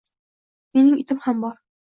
Mening itim ham bor.